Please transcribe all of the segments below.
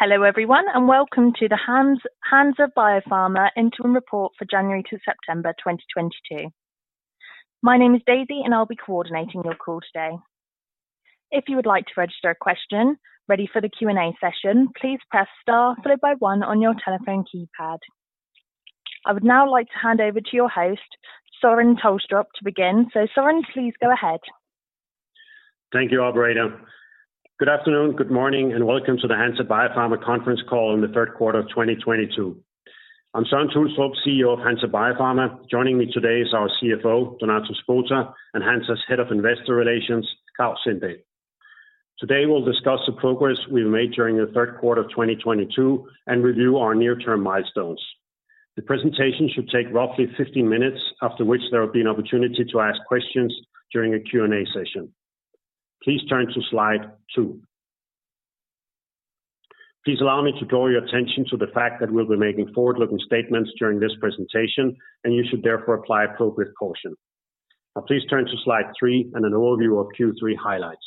Hello everyone, and welcome to the Hansa Biopharma Interim Report for January to September 2022. My name is Daisy, and I'll be coordinating your call today. I would now like to hand over to your host, Søren Tulstrup, to begin. Søren, please go ahead. Thank you, operator. Good afternoon, good morning, and welcome to the Hansa Biopharma conference call in the Q3 of 2022. I'm Søren Tulstrup, CEO of Hansa Biopharma. Joining me today is our CFO, Donato Spota, and Hansa's Head of Investor Relations, Klaus Sindahl. Today we'll discuss the progress we've made during the Q3 of 2022 and review our near-term milestones. The presentation should take roughly 50 minutes, after which there will be an opportunity to ask questions during a Q&A session. Please turn to slide two. Please allow me to draw your attention to the fact that we'll be making forward-looking statements during this presentation, and you should therefore apply appropriate caution. Now please turn to slide three and an overview of Q3 highlights.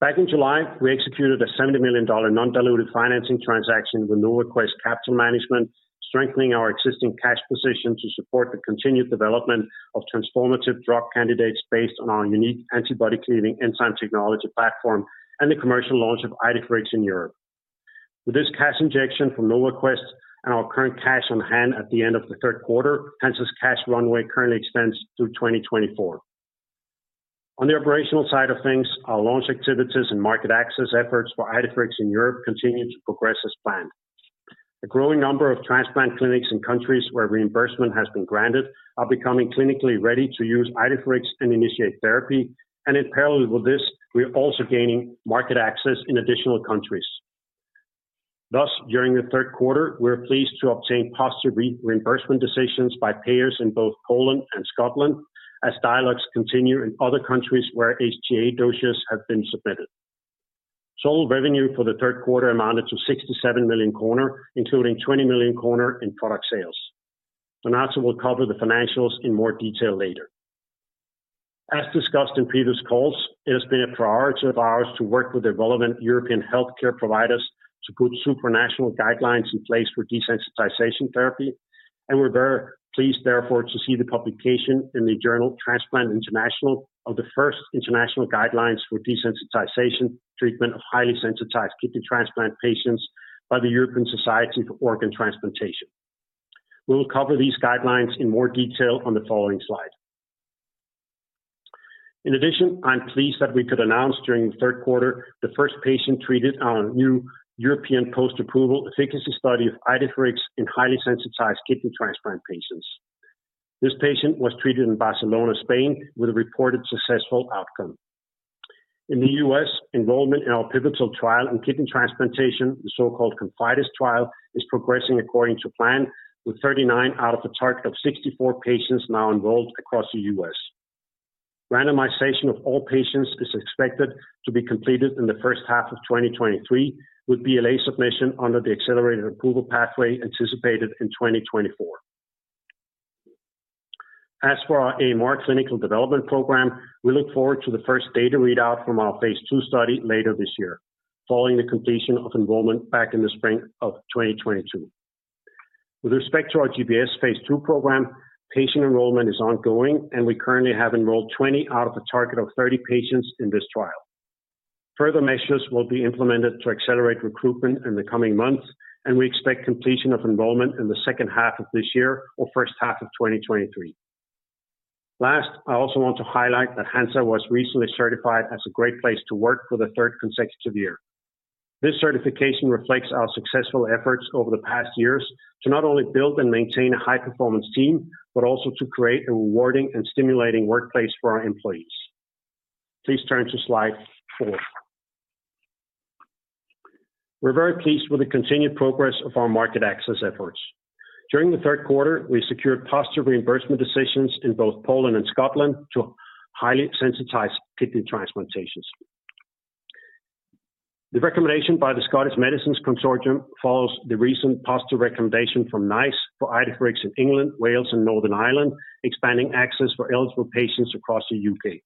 Back in July, we executed a $70 million non-diluted financing transaction with NovaQuest Capital Management, strengthening our existing cash position to support the continued development of transformative drug candidates based on our unique antibody-cleaving enzyme technology platform and the commercial launch of Idefirix in Europe. With this cash injection from NovaQuest and our current cash on hand at the end of the Q3, Hansa's cash runway currently extends through 2024. On the operational side of things, our launch activities and market access efforts for Idefirix in Europe continue to progress as planned. A growing number of transplant clinics in countries where reimbursement has been granted are becoming clinically ready to use Idefirix and initiate therapy. In parallel with this, we are also gaining market access in additional countries. Thus, during the Q3, we were pleased to obtain positive reimbursement decisions by payers in both Poland and Scotland as dialogues continue in other countries where HTA dossiers have been submitted. Total revenue for the Q3 amounted to 67 million, including 20 million in product sales. Donato will cover the financials in more detail later. As discussed in previous calls, it has been a priority of ours to work with the relevant European healthcare providers to put supranational guidelines in place for desensitization therapy. We're very pleased therefore to see the publication in the journal Transplant International of the first international guidelines for desensitization treatment of highly sensitized kidney transplant patients by the European Society for Organ Transplantation. We will cover these guidelines in more detail on the following slide. In addition, I'm pleased that we could announce during the Q3 the first patient treated on a new European post-approval efficacy study of Idefirix in highly sensitized kidney transplant patients. This patient was treated in Barcelona, Spain, with a reported successful outcome. In the US, enrollment in our pivotal trial in kidney transplantation, the so-called ConfIdeS trial, is progressing according to plan, with 39 out of a target of 64 patients now enrolled across the US Randomization of all patients is expected to be completed in the first half of 2023, with BLA submission under the accelerated approval pathway anticipated in 2024. As for our AMR clinical development program, we look forward to the first data readout from our phase ll study later this year, following the completion of enrollment back in the spring of 2022. With respect to our GBS phase ll program, patient enrollment is ongoing, and we currently have enrolled 20 out of a target of 30 patients in this trial. Further measures will be implemented to accelerate recruitment in the coming months, and we expect completion of enrollment in the second half of this year or first half of 2023. Last, I also want to highlight that Hansa was recently certified as a great place to work for the third consecutive year. This certification reflects our successful efforts over the past years to not only build and maintain a high-performance team, but also to create a rewarding and stimulating workplace for our employees. Please turn to slide four. We're very pleased with the continued progress of our market access efforts. During the Q3, we secured positive reimbursement decisions in both Poland and Scotland for highly sensitized kidney transplantations. The recommendation by the Scottish Medicines Consortium follows the recent positive recommendation from NICE for Idefirix in England, Wales, and Northern Ireland, expanding access for eligible patients across the UK.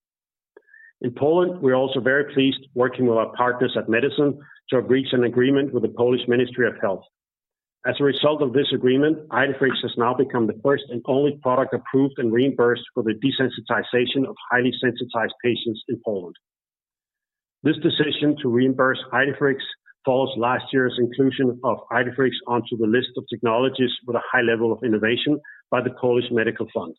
In Poland, we're also very pleased working with our partners at Medison Pharma to have reached an agreement with the Polish Ministry of Health. As a result of this agreement, Idefirix has now become the first and only product approved and reimbursed for the desensitization of highly sensitized patients in Poland. This decision to reimburse Idefirix follows last year's inclusion of Idefirix onto the list of technologies with a high level of innovation by the Polish Medical Fund.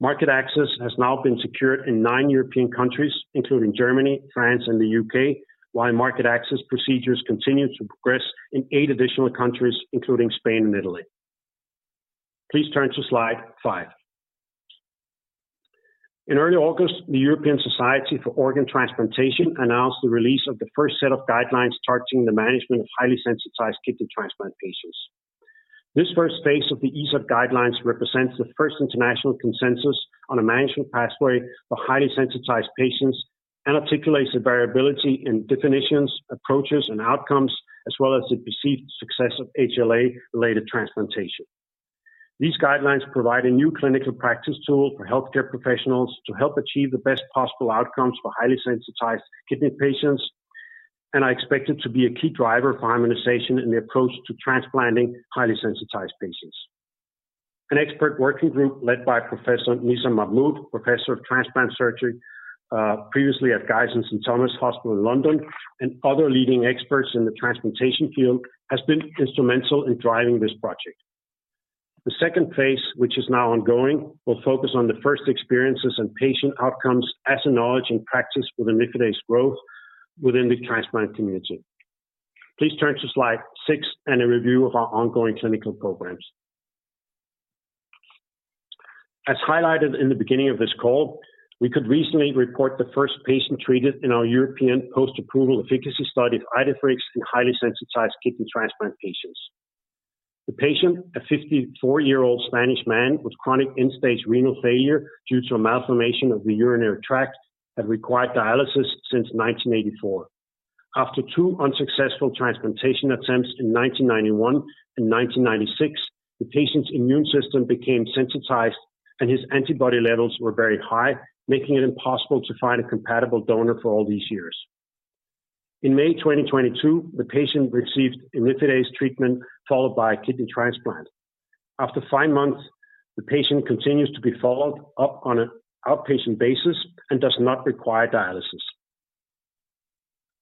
Market access has now been secured in nine European countries, including Germany, France, and the UK, while market access procedures continue to progress in eight additional countries, including Spain and Italy. Please turn to slide five. In early August, the European Society for Organ Transplantation announced the release of the first set of guidelines targeting the management of highly sensitized kidney transplant patients. This phase l of the ESOT guidelines represents the first international consensus on a management pathway for highly sensitized patients and articulates the variability in definitions, approaches, and outcomes, as well as the perceived success of HLA-related transplantation. These guidelines provide a new clinical practice tool for healthcare professionals to help achieve the best possible outcomes for highly sensitized kidney patients, and are expected to be a key driver for harmonization in the approach to transplanting highly sensitized patients. An expert working group led by Professor Nizam Mamode, Professor of Transplant Surgery, previously at Guy's and St Thomas' Hospital in London, and other leading experts in the transplantation field, has been instrumental in driving this project. The phase ll, which is now ongoing, will focus on the first experiences and patient outcomes as knowledge in practice with imlifidase growth within the transplant community. Please turn to slide 6 for a review of our ongoing clinical programs. As highlighted in the beginning of this call, we could recently report the first patient treated in our European post-approval efficacy study of Idefirix in highly sensitized kidney transplant patients. The patient, a 54-year-old Spanish man with chronic end-stage renal failure due to a malformation of the urinary tract, had required dialysis since 1984. After two unsuccessful transplantation attempts in 1991 and 1996, the patient's immune system became sensitized and his antibody levels were very high, making it impossible to find a compatible donor for all these years. In May 2022, the patient received imlifidase treatment followed by a kidney transplant. After five months, the patient continues to be followed up on an outpatient basis and does not require dialysis.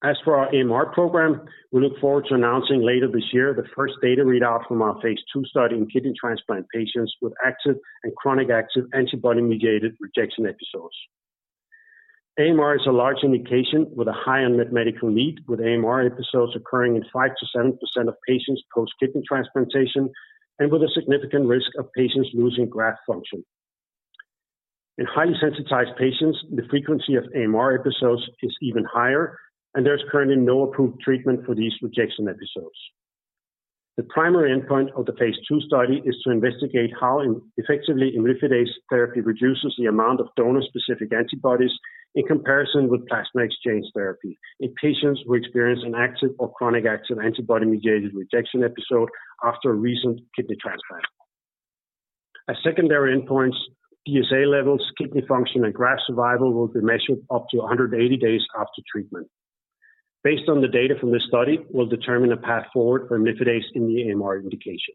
As for our AMR program, we look forward to announcing later this year the first data readout from our phase ll study in kidney transplant patients with active and chronic active antibody-mediated rejection episodes. AMR is a large indication with a high unmet medical need, with AMR episodes occurring in 5%-7% of patients post-kidney transplantation and with a significant risk of patients losing graft function. In highly sensitized patients, the frequency of AMR episodes is even higher, and there's currently no approved treatment for these rejection episodes. The primary endpoint of the phase ll study is to investigate how effectively imlifidase therapy reduces the amount of donor-specific antibodies in comparison with plasma exchange therapy in patients who experience an active or chronic active antibody-mediated rejection episode after a recent kidney transplant. As secondary endpoints, DSA levels, kidney function, and graft survival will be measured up to 180 days after treatment. Based on the data from this study, we'll determine a path forward for imlifidase in the AMR indication.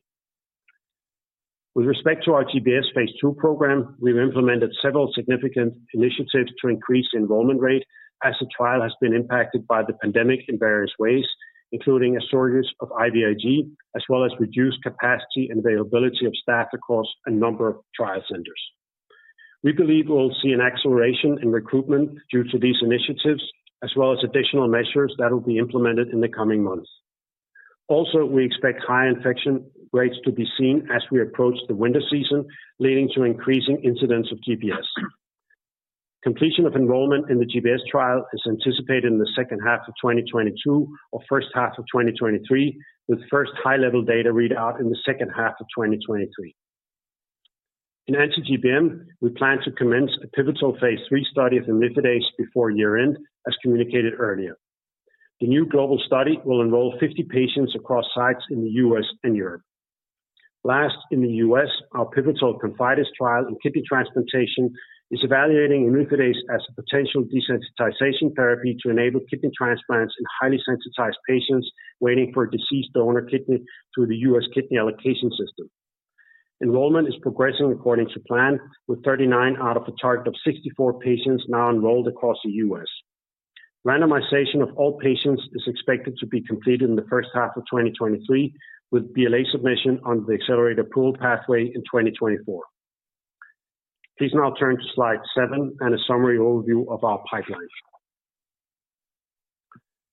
With respect to our GBS phase ll program, we've implemented several significant initiatives to increase enrollment rate as the trial has been impacted by the pandemic in various ways, including a shortage of IVIG, as well as reduced capacity and availability of staff across a number of trial centers. We believe we'll see an acceleration in recruitment due to these initiatives, as well as additional measures that will be implemented in the coming months. Also, we expect high infection rates to be seen as we approach the winter season, leading to increasing incidence of GBS. Completion of enrollment in the GBS trial is anticipated in the second half of 2022 or first half of 2023, with first high-level data readout in the second half of 2023. In anti-GBM, we plan to commence a pivotal phase three study of imlifidase before year-end, as communicated earlier. The new global study will enroll 50 patients across sites in the US and Europe. Last, in the US, our pivotal ConfIdeS trial in kidney transplantation is evaluating imlifidase as a potential desensitization therapy to enable kidney transplants in highly sensitized patients waiting for a deceased donor kidney through the US Kidney Allocation System. Enrollment is progressing according to plan, with 39 out of a target of 64 patients now enrolled across the US Randomization of all patients is expected to be completed in the first half of 2023, with BLA submission under the Accelerated Approval Pathway in 2024. Please now turn to slide seven and a summary overview of our pipeline.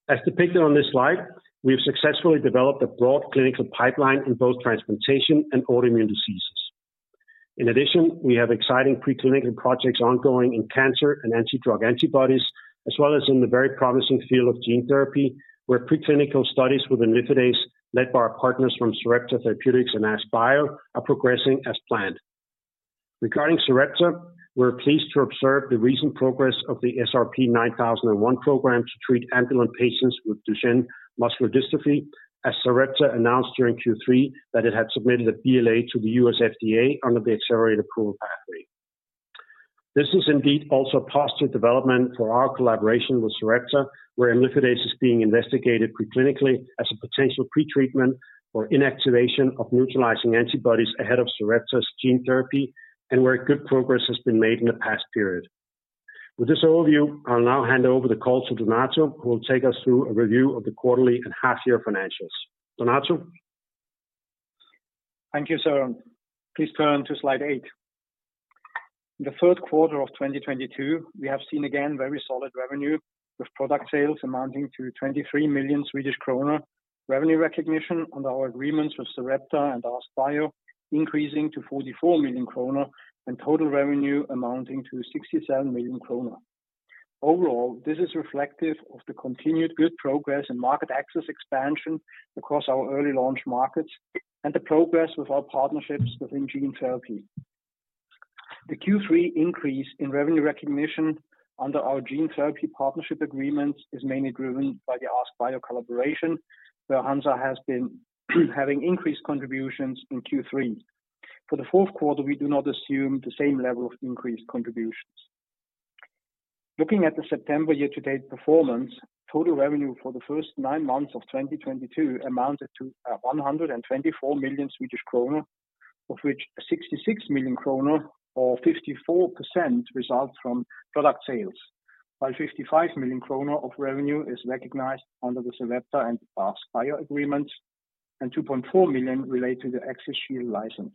As depicted on this slide, we have successfully developed a broad clinical pipeline in both transplantation and autoimmune diseases. In addition, we have exciting preclinical projects ongoing in cancer and anti-drug antibodies, as well as in the very promising field of gene therapy, where preclinical studies with imlifidase led by our partners from Sarepta Therapeutics and AskBio are progressing as planned. Regarding Sarepta, we're pleased to observe the recent progress of the SRP-9001 program to treat ambulant patients with Duchenne muscular dystrophy, as Sarepta announced during Q3 that it had submitted a BLA to the US FDA under the Accelerated Approval pathway. This is indeed also a positive development for our collaboration with Sarepta, where imlifidase is being investigated preclinically as a potential pretreatment for inactivation of neutralizing antibodies ahead of Sarepta's gene therapy and where good progress has been made in the past period. With this overview, I'll now hand over the call to Donato, who will take us through a review of the quarterly and half-year financials. Donato? Thank you, Søren. Please turn to slide eight. In the Q3 of 2022, we have seen again very solid revenue with product sales amounting to 23 million Swedish kronor, revenue recognition under our agreements with Sarepta and AskBio increasing to 44 million kronor, and total revenue amounting to 67 million kronor. Overall, this is reflective of the continued good progress in market access expansion across our early launch markets and the progress with our partnerships within gene therapy. The Q3 increase in revenue recognition under our gene therapy partnership agreements is mainly driven by the AskBio collaboration, where Hansa has been having increased contributions in Q3. For the Q4, we do not assume the same level of increased contributions. Looking at the September year-to-date performance, total revenue for the first nine months of 2022 amounted to 124 million Swedish kronor, of which 66 million kronor or 54% result from product sales, while 55 million kronor of revenue is recognized under the Sarepta and AskBio agreements, and 2.4 million relate to the Axis-Shield license.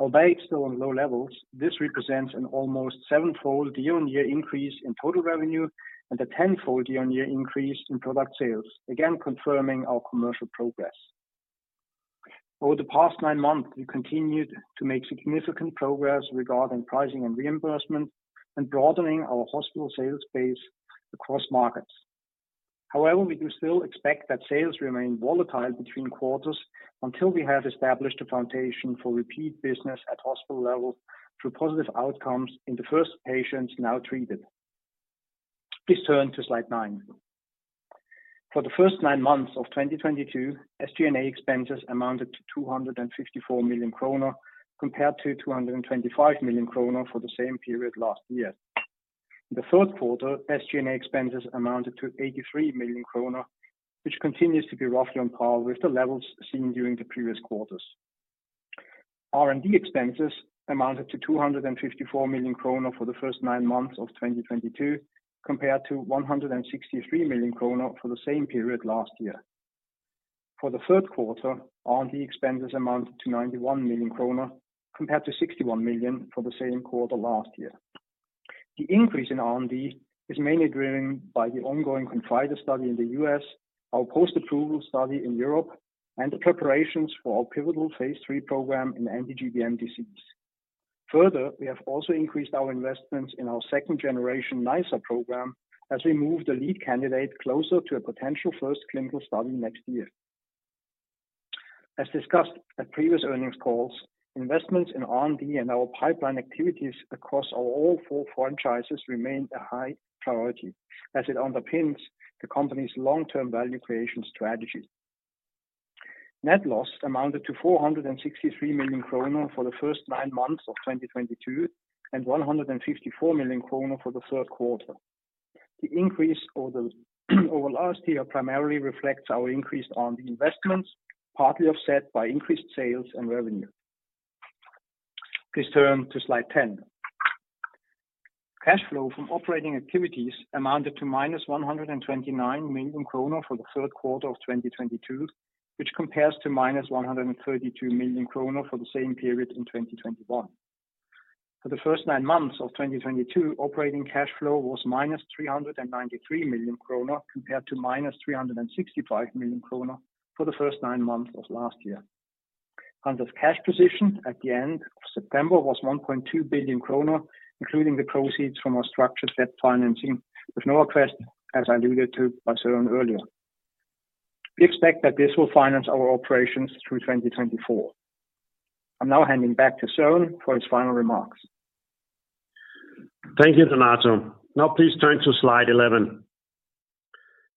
Albeit still on low levels, this represents an almost seven-fold year-on-year increase in total revenue and a ten-fold year-on-year increase in product sales, again, confirming our commercial progress. Over the past nine months, we continued to make significant progress regarding pricing and reimbursement and broadening our hospital sales base across markets. However, we do still expect that sales remain volatile between quarters until we have established a foundation for repeat business at hospital levels through positive outcomes in the first patients now treated. Please turn to slide nine. For the first nine months of 2022, SG&A expenses amounted to 254 million kronor, compared to 225 million kronor for the same period last year. In the Q3, SG&A expenses amounted to 83 million kronor, which continues to be roughly on par with the levels seen during the previous quarters. R&D expenses amounted to 254 million kronor for the first nine months of 2022, compared to 163 million kronor for the same period last year. For the Q3, R&D expenses amounted to 91 million kronor, compared to 61 million for the same quarter last year. The increase in R&D is mainly driven by the ongoing ConfIdeS study in the US, our post-approval study in Europe, and the preparations for our pivotal phase 3 program in anti-GBM disease. Further, we have also increased our investments in our second-generation NiceR program as we move the lead candidate closer to a potential first clinical study next year. As discussed at previous earnings calls, investments in R&D and our pipeline activities across all four franchises remain a high priority as it underpins the company's long-term value creation strategy. Net loss amounted to 463 million kronor for the first nine months of 2022, and 154 million kronor for the Q3. The increase over last year primarily reflects our increased R&D investments, partly offset by increased sales and revenue. Please turn to slide one0. Cash flow from operating activities amounted to -129 million kronor for the Q3 of 2022, which compares to -132 million kronor for the same period in 2021. For the first nine months of 2022, operating cash flow was -393 million kronor compared to -365 million kronor for the first nine months of last year. Hansa's cash position at the end of September was 1.2 billion kronor, including the proceeds from our structured debt financing with Norwest as alluded to by Søren earlier. We expect that this will finance our operations through 2024. I'm now handing back to Søren for his final remarks. Thank you, Donato. Now please turn to slide 11.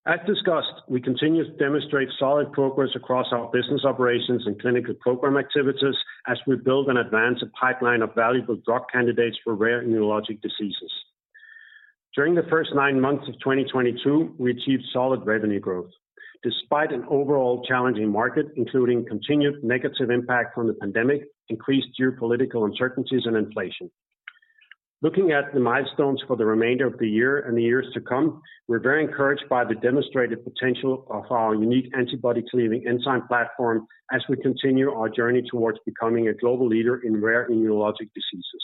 As discussed, we continue to demonstrate solid progress across our business operations and clinical program activities as we build and advance a pipeline of valuable drug candidates for rare immunologic diseases. During the first nine months of 2022, we achieved solid revenue growth despite an overall challenging market, including continued negative impact from the pandemic, increased geopolitical uncertainties, and inflation. Looking at the milestones for the remainder of the year and the years to come, we're very encouraged by the demonstrated potential of our unique antibody-cleaving enzyme platform as we continue our journey towards becoming a global leader in rare immunologic diseases.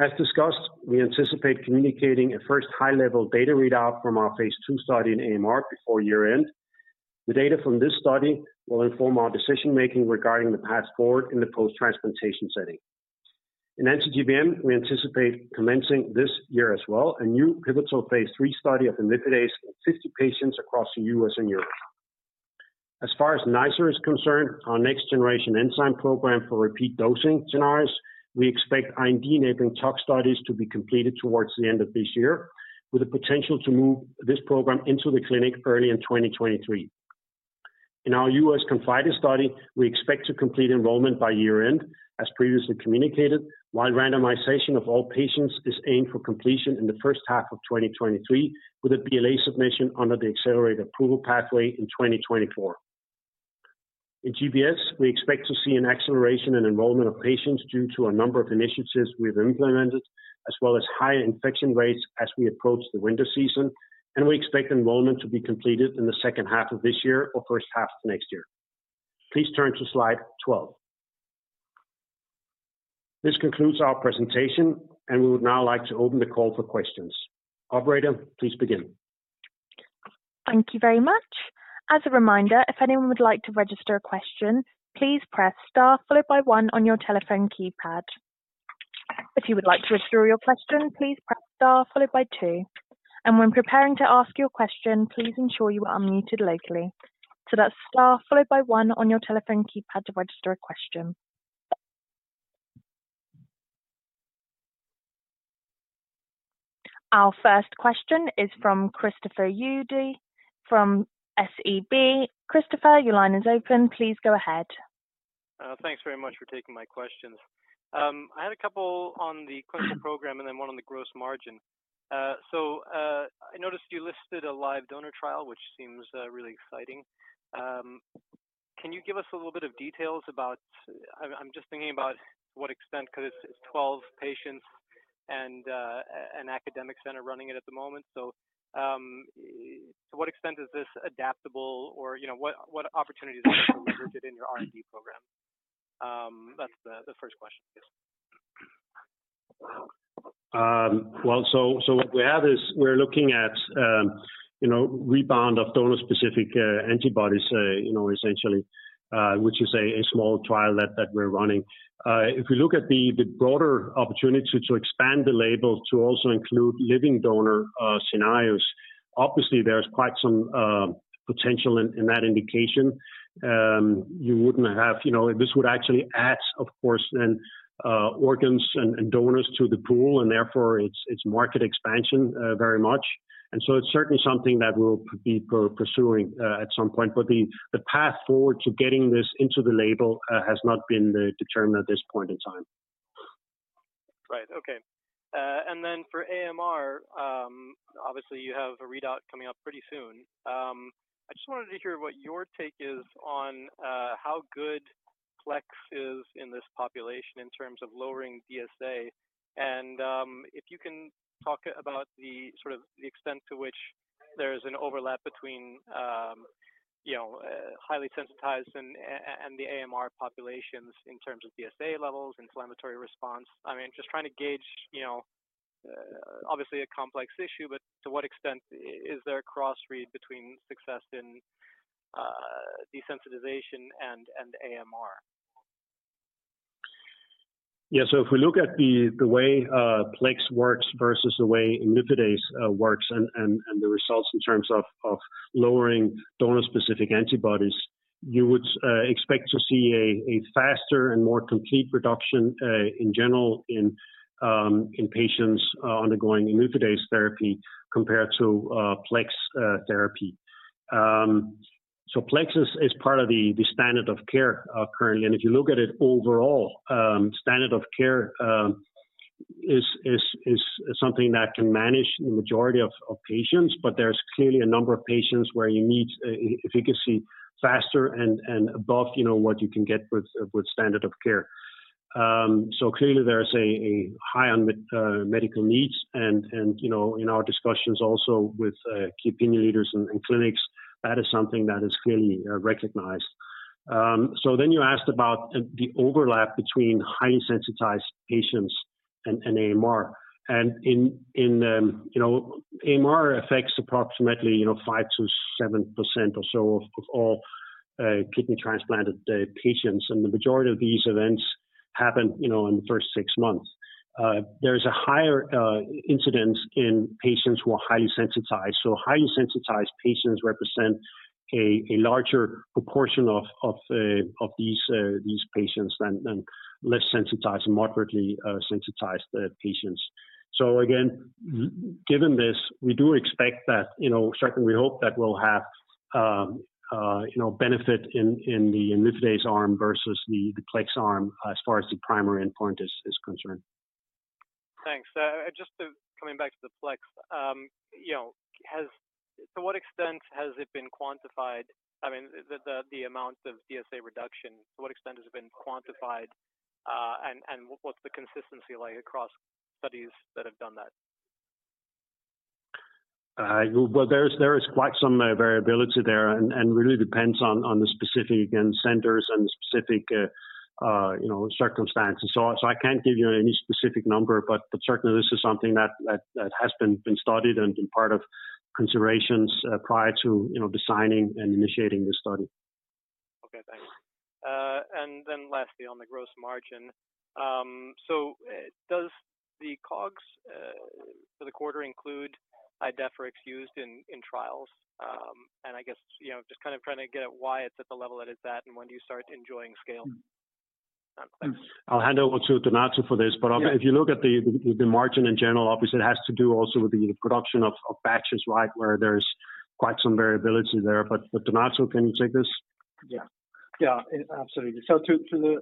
As discussed, we anticipate communicating a first high-level data readout from our phase ll study in AMR before year-end. The data from this study will inform our decision-making regarding the path forward in the post-transplantation setting. In anti-GBM, we anticipate commencing this year as well a new pivotal phase lll study of imlifidase in 50 patients across the US and Europe. As far as NiceR is concerned, our next-generation enzyme program for repeat dosing scenarios, we expect IND-enabling tox studies to be completed towards the end of this year, with the potential to move this program into the clinic early in 2023. In our US ConfIdeS study, we expect to complete enrollment by year-end, as previously communicated, while randomization of all patients is aimed for completion in the first half of 2023, with a BLA submission under the accelerated approval pathway in 2024. In GBS, we expect to see an acceleration in enrollment of patients due to a number of initiatives we have implemented, as well as higher infection rates as we approach the winter season, and we expect enrollment to be completed in the second half of this year or first half of next year. Please turn to slide 12. This concludes our presentation, and we would now like to open the call for questions. Operator, please begin. Thank you very much. Our first question is from Christopher from SEB. Christopher, your line is open. Please go ahead. Thanks very much for taking my questions. I had a couple on the clinical program and then one on the gross margin. I noticed you listed a live donor trial, which seems really exciting. Can you give us a little bit of details about. I'm just thinking about what extent, 'cause it's 12 patients and an academic center running it at the moment. To what extent is this adaptable or, you know, what opportunities are there to leverage it in your R&D program? That's the 1st question. What we have is we're looking at, you know, rebound of donor-specific antibodies, you know, essentially, which is a small trial that we're running. If you look at the broader opportunity to expand the label to also include living donor scenarios, obviously there's quite some potential in that indication. You wouldn't have. This would actually add, of course, organs and donors to the pool, and therefore it's market expansion very much. It's certainly something that we'll be pursuing at some point. The path forward to getting this into the label has not been determined at this point in time. Right. Okay. And then for AMR, obviously you have a readout coming up pretty soon. I just wanted to hear what your take is on how good PLEX is in this population in terms of lowering DSA. If you can talk about the sort of the extent to which there is an overlap between you know highly sensitized and and the AMR populations in terms of DSA levels, inflammatory response. I mean, just trying to gauge you know obviously a complex issue, but to what extent is there a cross-read between success in desensitization and and AMR? Yeah. If we look at the way PLEX works versus the way imlifidase works and the results in terms of lowering donor-specific antibodies, you would expect to see a faster and more complete reduction in general in patients undergoing imlifidase therapy compared to PLEX therapy. PLEX is part of the standard of care currently. If you look at it overall, standard of care is something that can manage the majority of patients, but there's clearly a number of patients where you need efficacy faster and above, you know, what you can get with standard of care. Clearly there is a high unmet medical needs and you know, in our discussions also with key opinion leaders and clinics, that is something that is clearly recognized. Then you asked about the overlap between highly sensitized patients and AMR. In you know, AMR affects approximately you know, 5%-7% or so of all kidney transplanted patients, and the majority of these events happen you know, in the first six months. There is a higher incidence in patients who are highly sensitized. Highly sensitized patients represent a larger proportion of these patients than less sensitized, moderately sensitized patients. Again, given this, we do expect that, you know, certainly we hope that we'll have, you know, benefit in the imlifidase arm versus the PLEX arm as far as the primary endpoint is concerned. Thanks. Just coming back to the PLEX, you know, to what extent has it been quantified? I mean, the amount of DSA reduction, to what extent has it been quantified, and what's the consistency like across studies that have done that? Well, there is quite some variability there and really depends on the specific, again, centers and specific you know circumstances. I can't give you any specific number, but certainly this is something that has been studied and been part of considerations prior to you know designing and initiating this study. Okay. Thanks. Lastly, on the gross margin. Does the COGS for the quarter include Idefirix used in trials? I guess, you know, just kind of trying to get why it's at the level that it's at, and when do you start enjoying scale? I'll hand over to Donato for this. If you look at the margin in general, obviously it has to do also with the production of batches, right? Where there's quite some variability there. Donato, can you take this? Yeah. Yeah, absolutely. To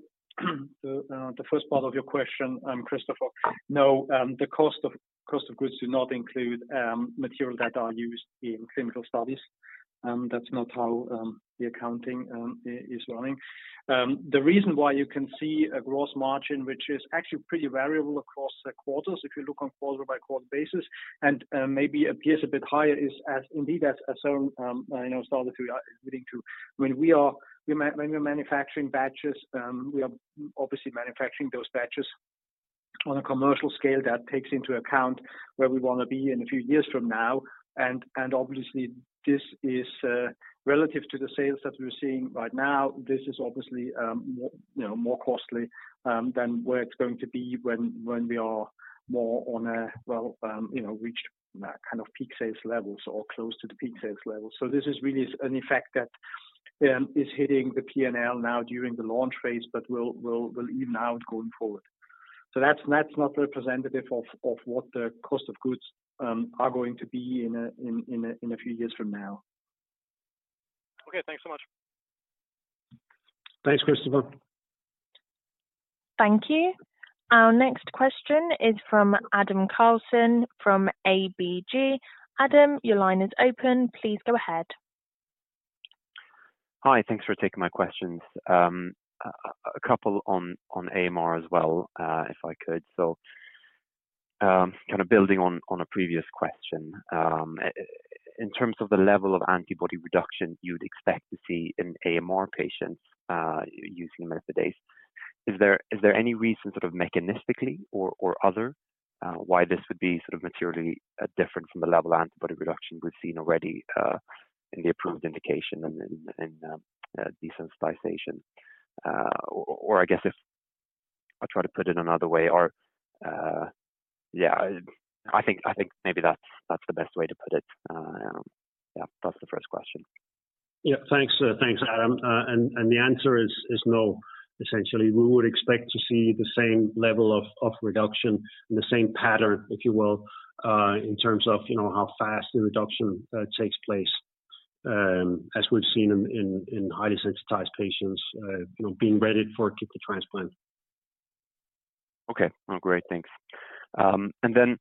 the first part of your question, Christopher, no, the cost of goods do not include material that are used in clinical studies. That's not how the accounting is running. The reason why you can see a gross margin, which is actually pretty variable across the quarters, if you look on quarter-by-quarter basis and maybe appears a bit higher is as indeed as you know, Søren Tulstrup is alluding to. When we are manufacturing batches, we are obviously manufacturing those batches on a commercial scale that takes into account where we wanna be in a few years from now. Obviously this is relative to the sales that we're seeing right now, this is obviously you know more costly than where it's going to be when we are more on a you know reached kind of peak sales levels or close to the peak sales level. This is really an effect that is hitting the P&L now during the launch phase, but will even out going forward. That's not representative of what the cost of goods are going to be in a few years from now. Okay, thanks so much. Thanks, Christopher. Thank you. Our next question is from Adam Karlsson from ABG. Adam, your line is open. Please go ahead. Hi. Thanks for taking my questions. A couple on AMR as well, if I could. Kind of building on a previous question. In terms of the level of antibody reduction you'd expect to see in AMR patients using imlifidase. Is there any reason sort of mechanistically or other why this would be sort of materially different from the level antibody reduction we've seen already in the approved indication and then in desensitization? Yeah, I think maybe that's the best way to put it. Yeah. That's the 1st question. Yeah. Thanks. Thanks, Adam. The answer is no, essentially. We would expect to see the same level of reduction and the same pattern, if you will, in terms of, you know, how fast the reduction takes place, as we've seen in highly sensitized patients, you know, being ready for a kidney transplant. Okay. Great. Thanks. And then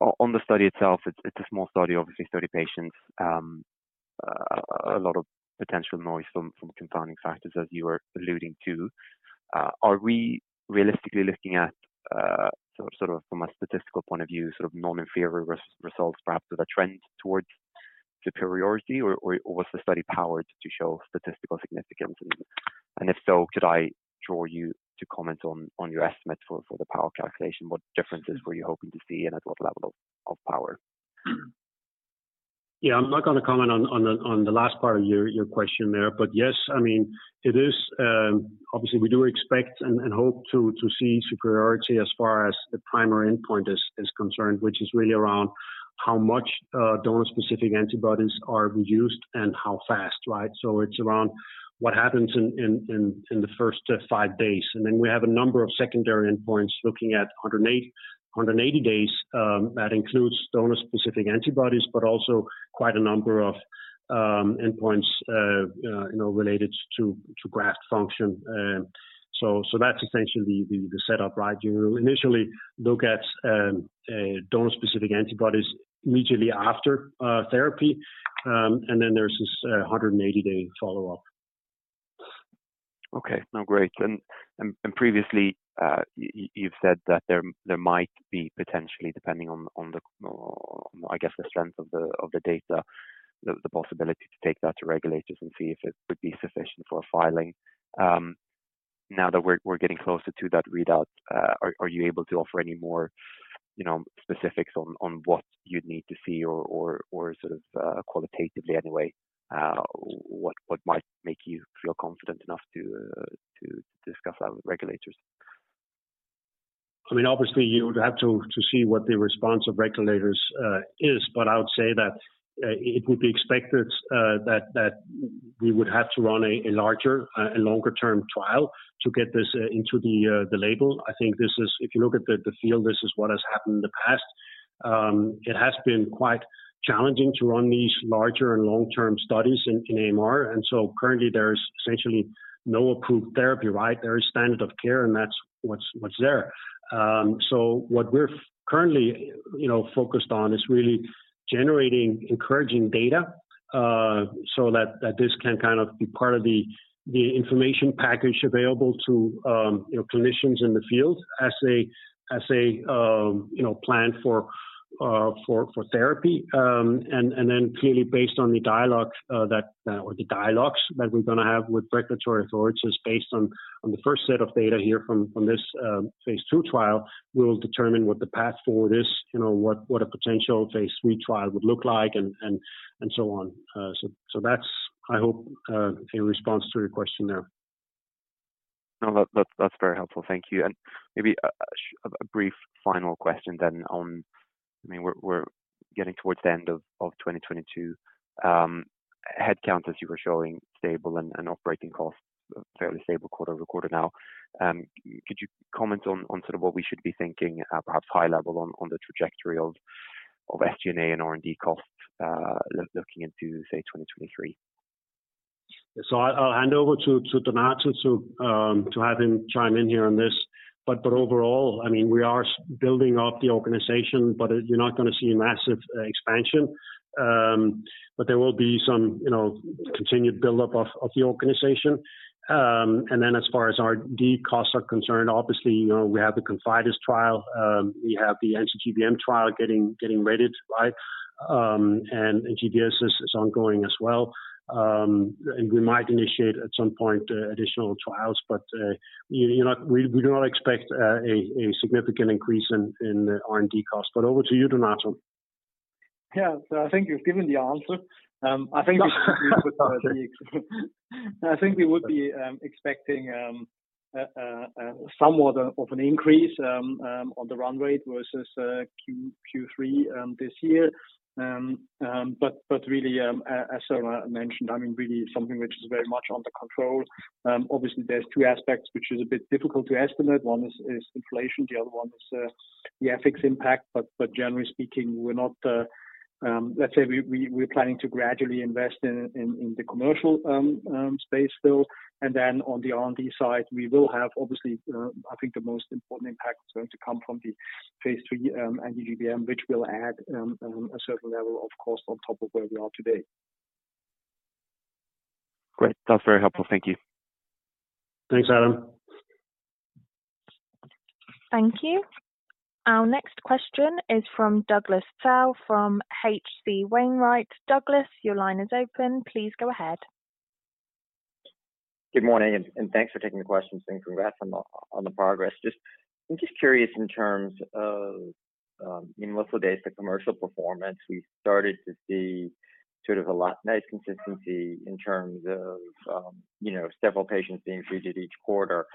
on the study itself, it's a small study, obviously, 30 patients. A lot of potential noise from confounding factors as you were alluding to. Are we realistically looking at sort of from a statistical point of view, sort of non-inferior results, perhaps with a trend towards superiority or was the study powered to show statistical significance? If so, could I draw you to comment on your estimate for the power calculation? What differences were you hoping to see and at what level of power? Yeah. I'm not gonna comment on the last part of your question there. Yes, I mean, it is obviously we do expect and hope to see superiority as far as the primary endpoint is concerned, which is really around how much donor-specific antibodies are reduced and how fast, right? It's around what happens in the first five days. Then we have a number of secondary endpoints looking at 180 days that includes donor-specific antibodies, but also quite a number of endpoints you know related to graft function. That's essentially the setup, right? You initially look at donor-specific antibodies immediately after therapy. Then there's this 180-day follow-up. Okay. No, great. Previously, you've said that there might be potentially, depending on, I guess, the strength of the data, the possibility to take that to regulators and see if it would be sufficient for filing. Now that we're getting closer to that readout, are you able to offer any more, you know, specifics on what you'd need to see or sort of, qualitatively anyway, what might make you feel confident enough to discuss that with regulators? I mean, obviously, you would have to see what the response of regulators is. But I would say that it would be expected that we would have to run a larger, longer-term trial to get this into the label. I think this is. If you look at the field, this is what has happened in the past. It has been quite challenging to run these larger and long-term studies in AMR. Currently there is essentially no approved therapy, right? There is standard of care, and that's what's there. What we're currently, you know, focused on is really generating encouraging data so that this can kind of be part of the information package available to, you know, clinicians in the field as a, you know, plan for therapy. Clearly, based on the dialogues that we're going to have with regulatory authorities based on the first set of data here from this phase ll trial, we'll determine what the path forward is, you know, what a potential phase three trial would look like and so on. That's, I hope, a response to your question there. No. That's very helpful. Thank you. Maybe a brief final question then on... I mean, we're getting towards the end of 2022. Headcount, as you were showing, stable and operating costs fairly stable quarter-over-quarter now. Could you comment on sort of what we should be thinking at perhaps high level on the trajectory of SG&A and R&D costs, looking into, say, 2023? I'll hand over to Donato to have him chime in here on this. Overall, I mean, we are building up the organization, but you're not gonna see a massive expansion. There will be some, you know, continued build-up of the organization. Then as far as R&D costs are concerned, obviously, you know, we have the Confidase trial. We have the anti-GBM trial getting ready to fly. GDS is ongoing as well. We might initiate at some point additional trials. You know, we do not expect a significant increase in R&D costs. Over to you, Donato. Yeah. I think you've given the answer. I think we would be expecting a somewhat of an increase on the run rate versus Q3 this year. really, as Søren mentioned, I mean, really something which is very much under control. Obviously there's two aspects which is a bit difficult to estimate. One is inflation, the other one is the FX impact. generally speaking, we're not. Let's say we're planning to gradually invest in the commercial space still. On the R&D side, we will have obviously, I think the most important impact is going to come from the phase 3 anti-GBM, which will add a certain level, of course, on top of where we are today. Great. That's very helpful. Thank you. Thanks, Adam. Thank you. Our next question is from Douglas Tsao from H.C. Wainwright. Douglas, your line is open. Please go ahead. Good morning, thanks for taking the questions and congrats on the progress. I'm just curious in terms of what's the day-to-day commercial performance. We started to see sort of a lot nicer consistency in terms of, you know, several patients being treated each quarter.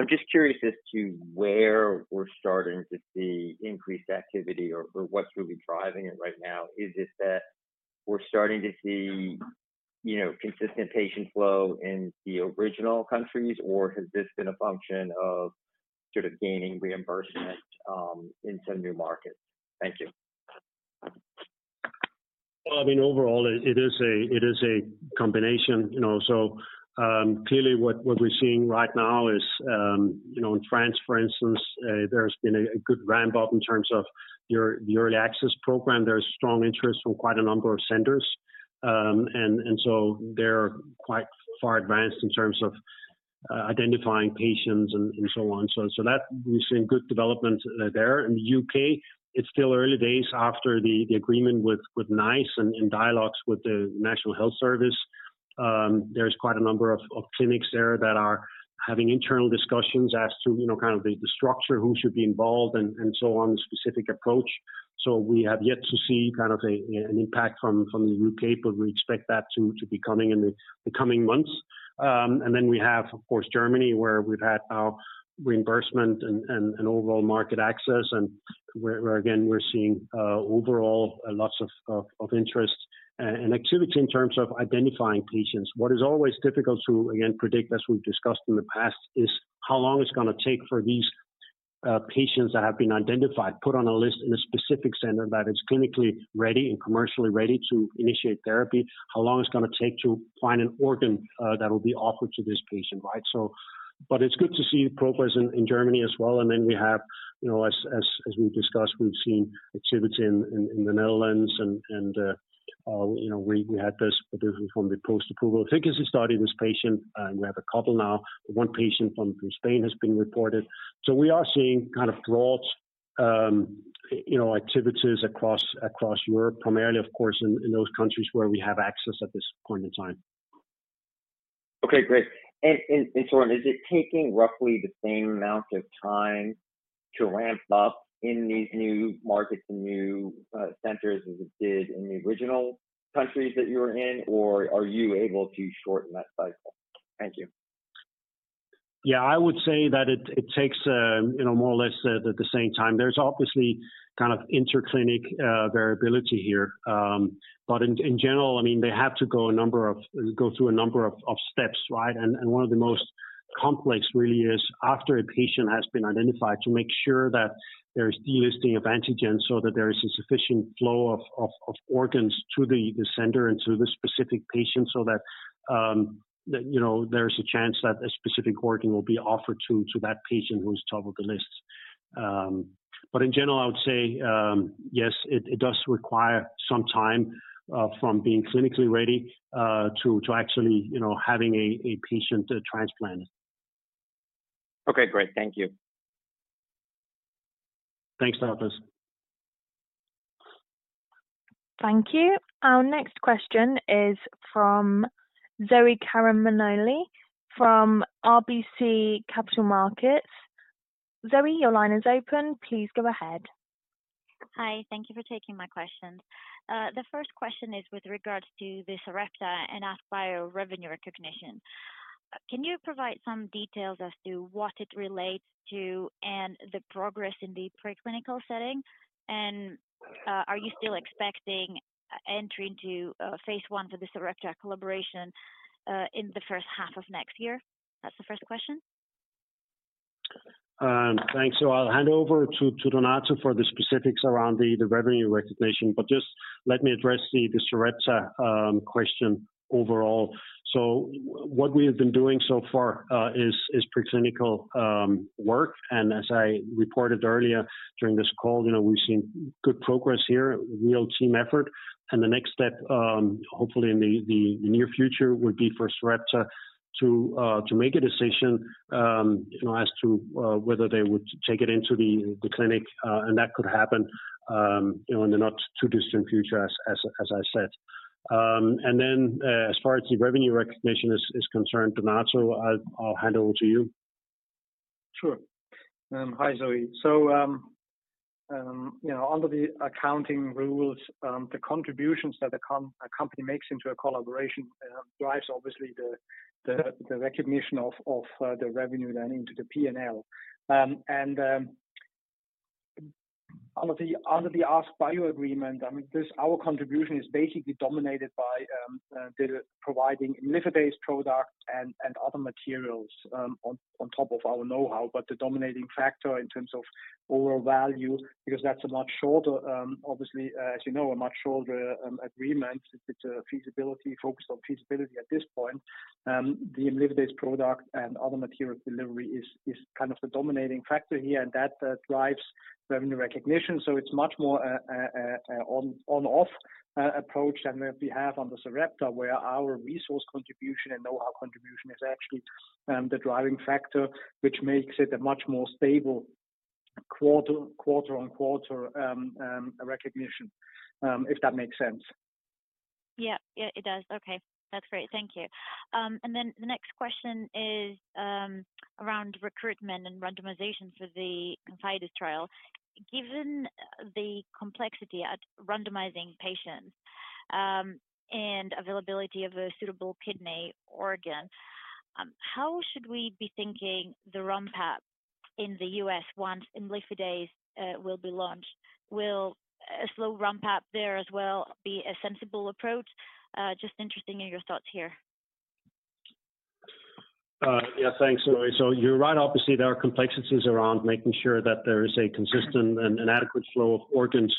I'm just curious as to where we're starting to see increased activity or what's really driving it right now. Is it that we're starting to see, you know, consistent patient flow in the original countries, or has this been a function of sort of gaining reimbursement in some new markets? Thank you. Well, I mean, overall it is a combination, you know. Clearly what we're seeing right now is, you know, in France, for instance, there's been a good ramp-up in terms of your early access program. There's strong interest from quite a number of centers. So they're quite far advanced in terms of identifying patients and so on. That we're seeing good development there. In the UK, it's still early days after the agreement with NICE and dialogues with the National Health Service. There's quite a number of clinics there that are having internal discussions as to, you know, kind of the structure, who should be involved and so on, the specific approach. We have yet to see kind of an impact from the UK, but we expect that to be coming in the coming months. We have, of course, Germany, where we've had now reimbursement and overall market access, and where again, we're seeing overall lots of interest and activity in terms of identifying patients. What is always difficult to, again, predict, as we've discussed in the past, is how long it's gonna take for these patients that have been identified, put on a list in a specific center that is clinically ready and commercially ready to initiate therapy, how long it's gonna take to find an organ that will be offered to this patient, right? But it's good to see progress in Germany as well. We have, you know, as we've discussed, we've seen activity in the Netherlands and, you know, we had this from the post-approval efficacy study, this patient and we have a couple now. One patient from Spain has been reported. We are seeing kind of broad, you know, activities across Europe, primarily of course, in those countries where we have access at this point in time. Okay. Great. Søren, is it taking roughly the same amount of time to ramp up in these new markets and new centers as it did in the original countries that you were in, or are you able to shorten that cycle? Thank you. Yeah. I would say that it takes, you know, more or less the same time. There's obviously kind of inter-clinic variability here. In general, I mean, they have to go through a number of steps, right? One of the most complex really is after a patient has been identified, to make sure that there's delisting of antigens so that there is a sufficient flow of organs to the center and to the specific patient so that, you know, there's a chance that a specific organ will be offered to that patient who's top of the list. In general, I would say, yes, it does require some time from being clinically ready to actually, you know, having a patient transplanted. Okay, great. Thank you. Thanks, Douglas. Thank you. Our next question is from Zoe Karamanoli from RBC Capital Markets. Zoe, your line is open. Please go ahead. Hi. Thank you for taking my questions. The first question is with regards to the Sarepta and AskBio revenue recognition. Can you provide some details as to what it relates to and the progress in the preclinical setting? Are you still expecting entry into phase l for the Sarepta collaboration in the first half of next year? That's the 1st question. Thanks. I'll hand over to Donato for the specifics around the revenue recognition, but just let me address the Sarepta question overall. What we have been doing so far is preclinical work. As I reported earlier during this call, you know, we've seen good progress here, real team effort. The next step, hopefully in the near future, would be for Sarepta to make a decision, you know, as to whether they would take it into the clinic, and that could happen, you know, in the not too distant future, as I said. Then, as far as the revenue recognition is concerned, Donato, I'll hand over to you. Sure. Hi, Zoe. You know, under the accounting rules, the contributions that a company makes into a collaboration drives obviously the recognition of the revenue then into the P&L. Under the AskBio agreement, I mean, our contribution is basically dominated by the providing imlifidase product and other materials on top of our know-how. The dominating factor in terms of overall value, because that's a much shorter, obviously, as you know, a much shorter agreement. It's a focus on feasibility at this point. The imlifidase product and other material delivery is kind of the dominating factor here, and that drives revenue recognition. It's much more an on-off approach than we have on the Sarepta, where our resource contribution and know-how contribution is actually the driving factor, which makes it a much more stable quarter-over-quarter recognition, if that makes sense. Yeah. Yeah, it does. Okay. That's great. Thank you. The next question is around recruitment and randomization for the Confidase trial. Given the complexity at randomizing patients, and availability of a suitable kidney organ, how should we be thinking the ramp up in the US once imlifidase will be launched? Will a slow ramp up there as well be a sensible approach? Just interested in your thoughts here. Yeah. Thanks, Zoe. You're right. Obviously, there are complexities around making sure that there is a consistent and an adequate flow of organs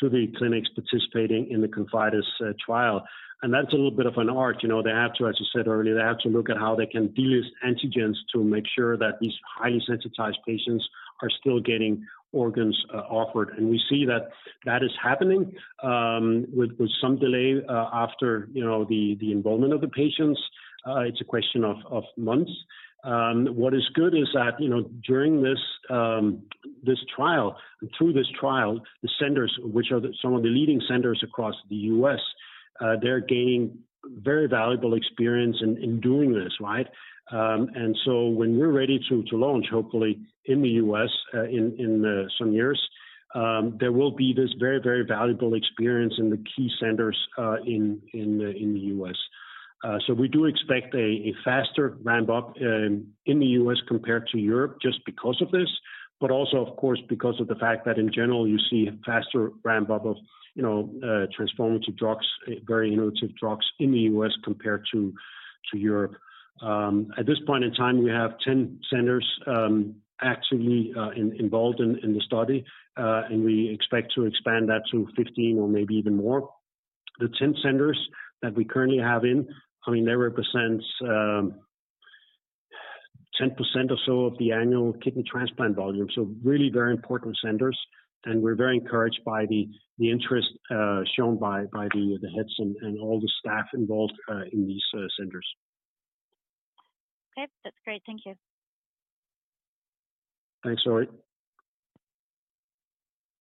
to the clinics participating in the Confidase trial. That's a little bit of an art. You know, they have to, as you said earlier, look at how they can delist antigens to make sure that these highly sensitized patients are still getting organs offered. We see that is happening with some delay after, you know, the involvement of the patients. It's a question of months. What is good is that, you know, during this trial, through this trial, the centers, which are some of the leading centers across the US, they're gaining very valuable experience in doing this, right? When we're ready to launch, hopefully in the US in some years, there will be this very valuable experience in the key centers in the US. We do expect a faster ramp up in the US compared to Europe just because of this, but also, of course, because of the fact that in general, you see faster ramp up of, you know, transformative drugs, very innovative drugs in the US compared to Europe. At this point in time, we have 10 centers actively involved in the study, and we expect to expand that to 15 or maybe even more. The 10 centers that we currently have, I mean, they represent 10% or so of the annual kidney transplant volume. Really very important centers, and we're very encouraged by the interest shown by the heads and all the staff involved in these centers. Okay. That's great. Thank you. Thanks, Zoe.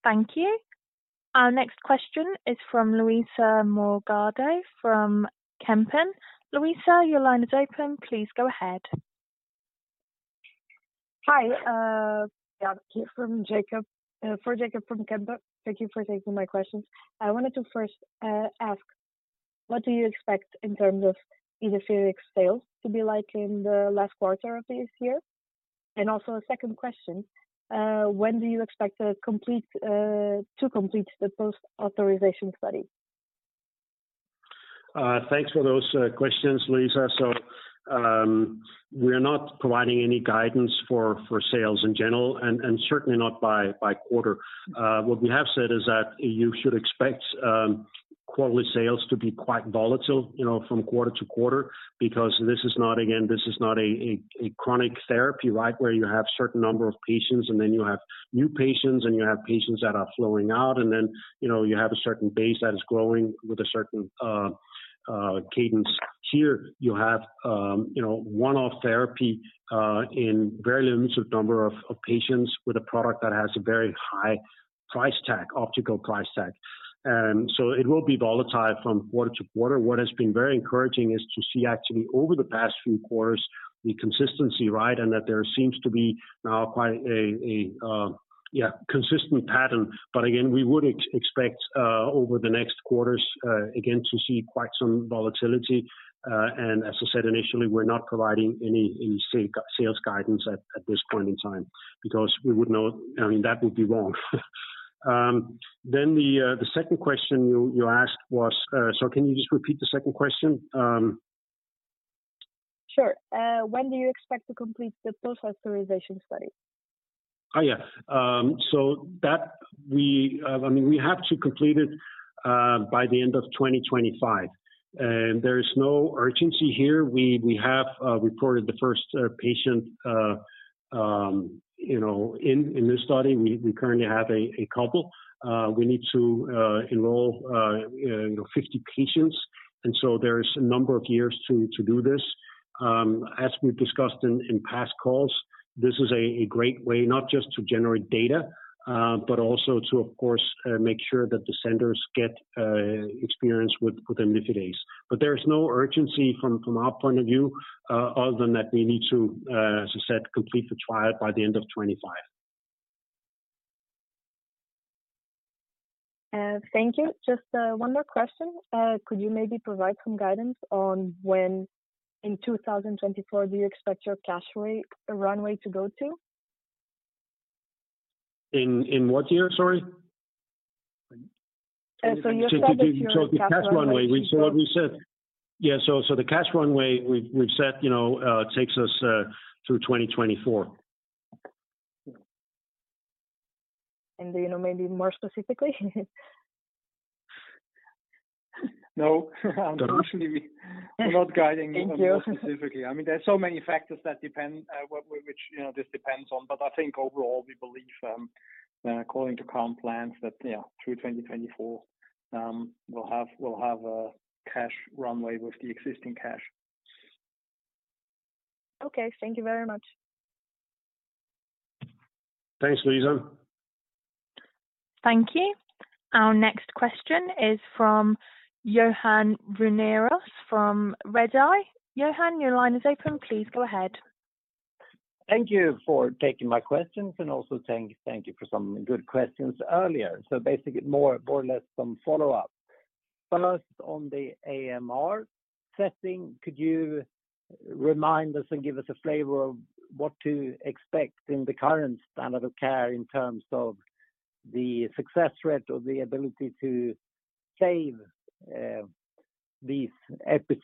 Thank you. Our next question is from Luisa Morgado from Kempen. Luisa, your line is open. Please go ahead. Hi, yeah. From Jacob from Kempen. Thank you for taking my questions. I wanted to first ask what do you expect in terms of Idefirix sales to be like in the last quarter of this year? Also a second question, when do you expect to complete the post-authorization study? Thanks for those questions, Luisa. We are not providing any guidance for sales in general and certainly not by quarter. What we have said is that you should expect quarterly sales to be quite volatile, you know, from quarter to quarter because this is not, again, this is not a chronic therapy, right? Where you have certain number of patients, and then you have new patients, and you have patients that are flowing out, and then, you know, you have a certain base that is growing with a certain cadence. Here you have, you know, one-off therapy in very limited number of patients with a product that has a very high price tag, optimal price tag. It will be volatile from quarter to quarter. What has been very encouraging is to see actually over the past few quarters, the consistency, right? That there seems to be now quite a consistent pattern. We would expect over the next quarters again to see quite some volatility. As I said initially, we're not providing any sales guidance at this point in time because we would know. I mean, that would be wrong. The 2nd question you asked was. Can you just repeat the second question? Sure. When do you expect to complete the post-authorization study? Oh, yeah. I mean, we have to complete it by the end of 2025. There is no urgency here. We have reported the first patient, you know, in this study. We currently have a couple. We need to enroll, you know, 50 patients, and so there is a number of years to do this. As we've discussed in past calls, this is a great way not just to generate data, but also to, of course, make sure that the centers get experience with imlifidase. There is no urgency from our point of view, other than that we need to, as I said, complete the trial by the end of 2025. Thank you. Just one more question. Could you maybe provide some guidance on when in 2024 do you expect your cash runway to go to? In what year? Sorry. You said that your cash runway- The cash runway, we've said, you know, takes us through 2024. Do you know maybe more specifically? No. Unfortunately, we're not guiding. Thank you. More specifically. I mean, there are so many factors that depend, you know, this depends on. I think overall, we believe, according to current plans that, yeah, through 2024, we'll have a cash runway with the existing cash. Okay. Thank you very much. Thanks, Luisa. Thank you. Our next question is from Johan Unnerus from Redeye. Johan, your line is open. Please go ahead. Thank you for taking my questions, and also thank you for some good questions earlier. Basically, more or less some follow-up. 1st, on the AMR setting, could you remind us and give us a flavor of what to expect in the current standard of care in terms of the success rate or the ability to save these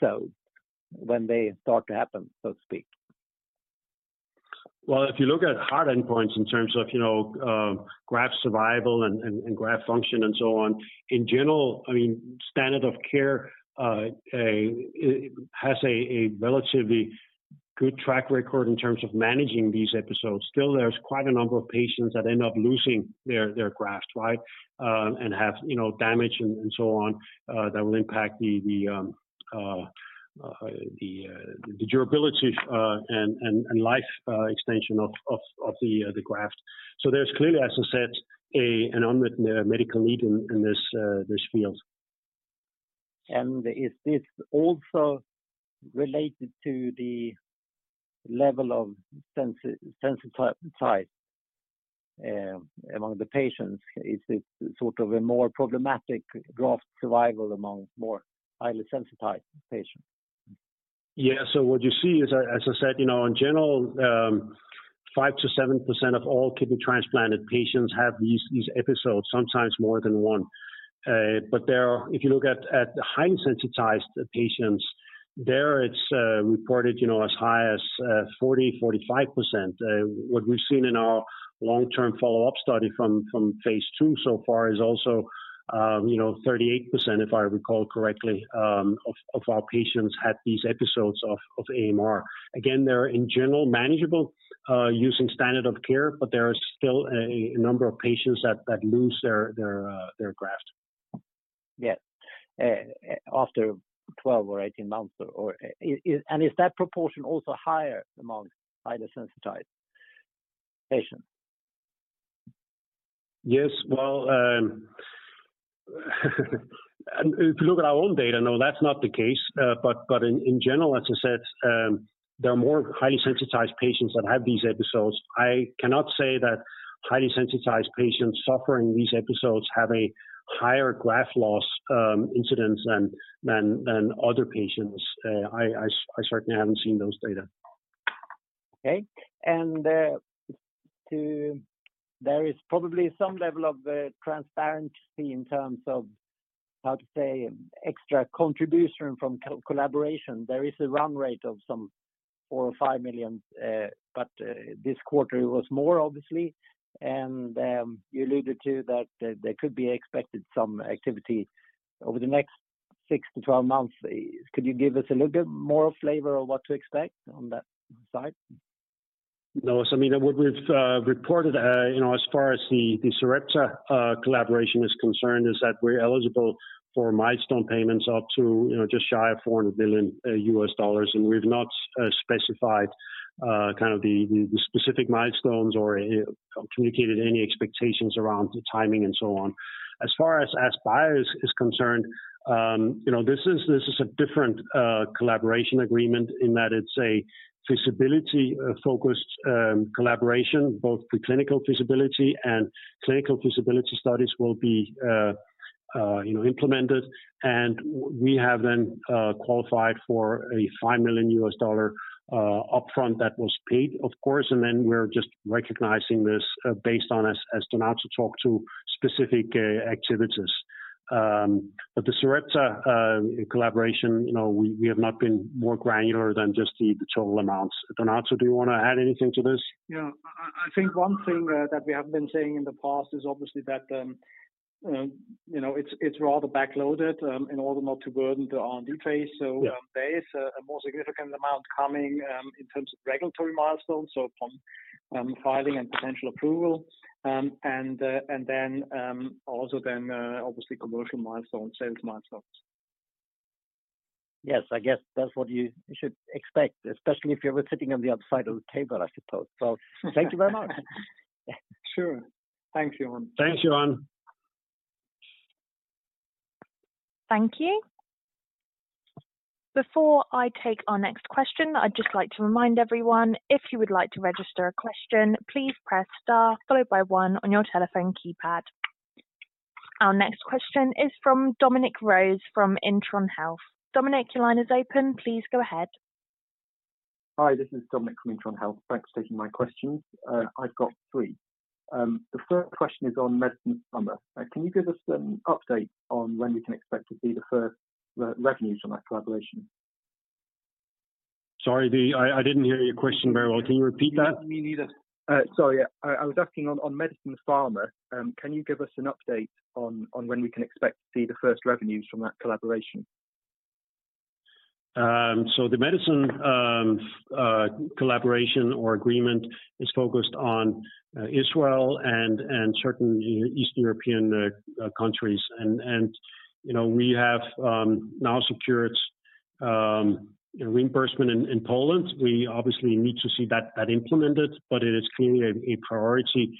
episodes when they start to happen, so to speak? Well, if you look at hard endpoints in terms of, you know, graft survival and graft function and so on, in general, I mean, standard of care, it has a relatively good track record in terms of managing these episodes. Still, there's quite a number of patients that end up losing their grafts, right, and have, you know, damage and so on, that will impact the durability and life extension of the graft. There's clearly, as I said, an unmet medical need in this field. Is this also related to the level of sensitization among the patients? Is it sort of a more problematic graft survival among more highly sensitized patients? Yeah. What you see is, as I said, you know, in general, 5%-7% of all kidney transplanted patients have these episodes, sometimes more than one. If you look at the highly sensitized patients, there it's reported, you know, as high as 45%. What we've seen in our long-term follow-up study from phase ll so far is also, you know, 38%, if I recall correctly, of our patients had these episodes of AMR. Again, they're in general manageable using standard of care, but there are still a number of patients that lose their grafts. Is that proportion also higher among highly sensitized patients? Yes. Well, if you look at our own data, no, that's not the case. In general, as I said, there are more highly sensitized patients that have these episodes. I cannot say that highly sensitized patients suffering these episodes have a higher graft loss incidence than other patients. I certainly haven't seen those data. Okay. There is probably some level of transparency in terms of how to say extra contribution from collaboration. There is a run rate of some 4-5 million, but this quarter it was more, obviously. You alluded to that there could be expected some activity over the next 6-12 months. Could you give us a little bit more flavor of what to expect on that side? I mean, what we've reported, you know, as far as the Sarepta collaboration is concerned, is that we're eligible for milestone payments up to, you know, just shy of $400 million, and we've not specified kind of the specific milestones or communicated any expectations around the timing and so on. As far as AskBio is concerned, you know, this is a different collaboration agreement in that it's a feasibility-focused collaboration, both the clinical feasibility studies will be implemented. We have then qualified for a $5 million upfront that was paid, of course. Then we're just recognizing this based on, as Donato talked to, specific activities. The Sarepta collaboration, you know, we have not been more granular than just the total amounts. Donato, do you wanna add anything to this? Yeah. I think one thing that we have been saying in the past is obviously that, you know, it's rather backloaded in order not to burden the R&D phase. Yeah. There is a more significant amount coming in terms of regulatory milestones, so from filing and potential approval, and then obviously commercial milestones, sales milestones. Yes. I guess that's what you should expect, especially if you were sitting on the other side of the table, I suppose. Thank you very much. Sure. Thanks, Johan. Thanks, Johan. Thank you. Before I take our next question, I'd just like to remind everyone, if you would like to register a question, please press Star followed by one on your telephone keypad. Our next question is from Dominic Rose from Intron Health. Dominic, your line is open. Please go ahead. Hi, this is Dominic from Intron Health. Thanks for taking my questions. I've got three. The first question is on Medison Pharma. Can you give us an update on when we can expect to see the first revenues from that collaboration? Sorry, I didn't hear your question very well. Can you repeat that? Me neither. Sorry. I was asking on Medison Pharma, can you give us an update on when we can expect to see the first revenues from that collaboration? The medicine collaboration or agreement is focused on Israel and certain East European countries. You know, we have now secured reimbursement in Poland. We obviously need to see that implemented, but it is clearly a priority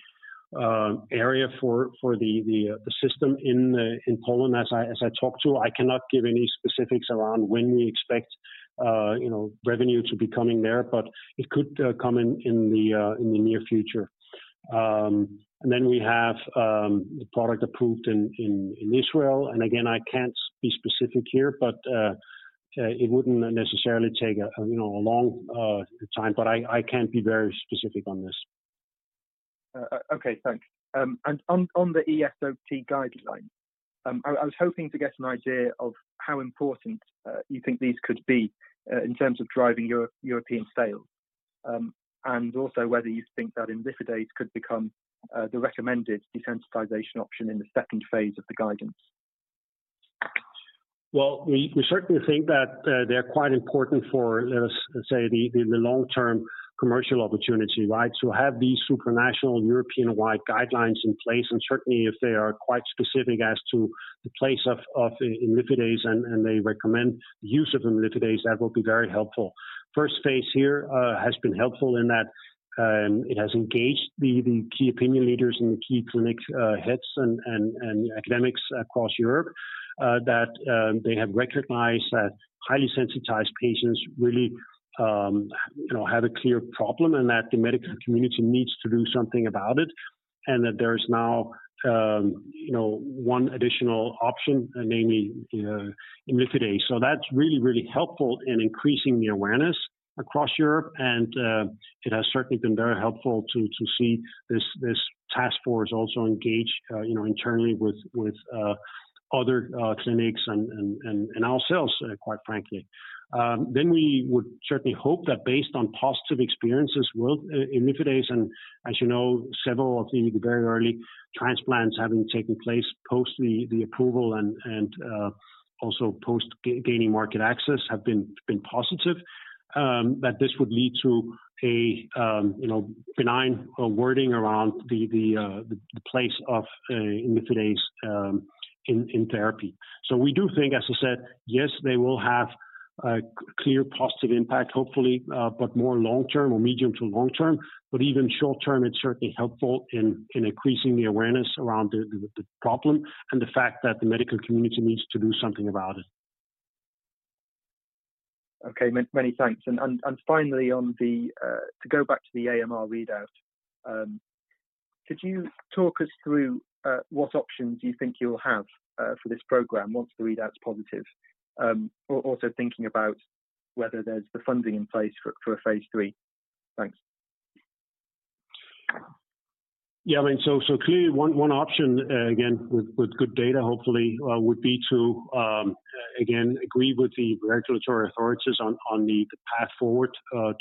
area for the system in Poland. As I talk to, I cannot give any specifics around when we expect you know revenue to be coming there, but it could come in the near future. Then we have the product approved in Israel. Again, I can't be specific here, but it wouldn't necessarily take a long time, but I can't be very specific on this. Okay, thanks. On the ESOT guideline, I was hoping to get an idea of how important you think these could be in terms of driving European sales, and also whether you think that indeed it could become the recommended desensitization option in the second phase of the guideline. Well, we certainly think that they're quite important for, let's say the long-term commercial opportunity, right? To have these supranational European-wide guidelines in place, and certainly if they are quite specific as to the place of imlifidase and they recommend use of imlifidase, that will be very helpful. Phase l here has been helpful in that it has engaged the key opinion leaders and the key clinical heads and academics across Europe that they have recognized that highly sensitized patients really, you know, have a clear problem and that the medical community needs to do something about it, and that there is now, you know, one additional option, namely, imlifidase. That's really helpful in increasing the awareness across Europe, and it has certainly been very helpful to see this task force also engage, you know, internally with other clinics and ourselves, quite frankly. We would certainly hope that based on positive experiences with Idefirix, and as you know, several of the very early transplants having taken place post the approval and also post gaining market access have been positive, that this would lead to a, you know, benign wording around the place of Idefirix in therapy. We do think, as I said, yes, they will have a clear positive impact, hopefully, but more long-term or medium to long-term. Even short-term, it's certainly helpful in increasing the awareness around the problem and the fact that the medical community needs to do something about it. Okay. Many thanks. Finally, to go back to the AMR readout, could you talk us through what options you think you'll have for this program once the readout's positive? Also thinking about whether there's the funding in place for a phase lll. Thanks. Yeah, I mean, so clearly one option, again, with good data, hopefully, would be to, again, agree with the regulatory authorities on the path forward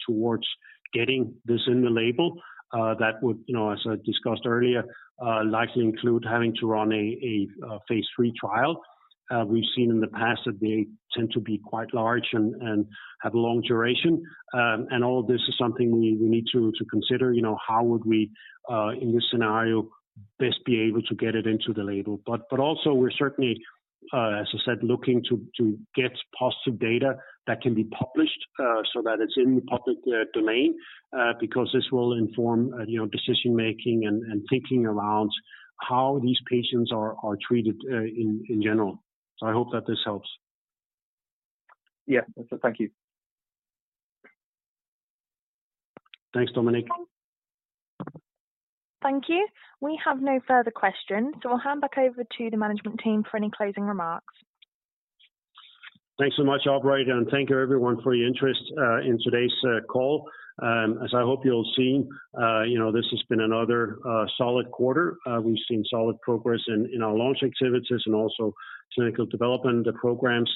towards getting this in the label. That would, you know, as I discussed earlier, likely include having to run a phase three trial. We've seen in the past that they tend to be quite large and have long duration. And all of this is something we need to consider, you know, how would we, in this scenario, best be able to get it into the label. Also we're certainly, as I said, looking to get positive data that can be published, so that it's in the public domain, because this will inform, you know, decision-making and thinking around how these patients are treated, in general. I hope that this helps. Yeah. Thank you. Thanks, Dominic. Thank you. We have no further questions, so I'll hand back over to the management team for any closing remarks. Thanks so much, operator, and thank you, everyone, for your interest in today's call. As I hope you'll have seen, you know, this has been another solid quarter. We've seen solid progress in our launch activities and also clinical development programs.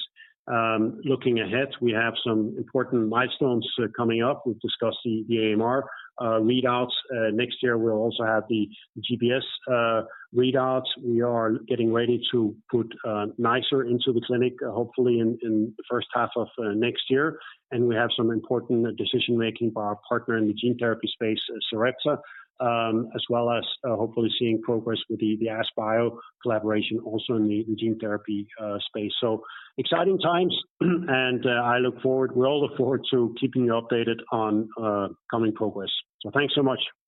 Looking ahead, we have some important milestones coming up. We've discussed the AMR readouts. Next year, we'll also have the GBS readouts. We are getting ready to put NiceR into the clinic, hopefully in the first half of next year. We have some important decision-making by our partner in the gene therapy space, Sarepta, as well as hopefully seeing progress with the AskBio collaboration also in the gene therapy space. Exciting times, and I look forward, we all look forward to keeping you updated on coming progress. Thanks so much.